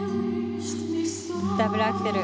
ダブルアクセル。